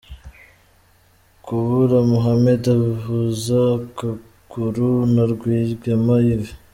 Kabura Mohammed ahuza akaguru na Rwigema Yves.